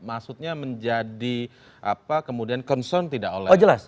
maksudnya menjadi apa kemudian concern tidak oleh timani sandi